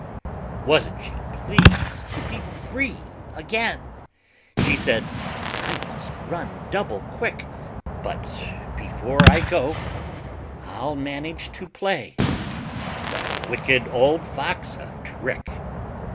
Wasn't she pleased to be free again! She said, "I must run double quick; But before I go I'll manage to play, The Wicked Old Fox a trick."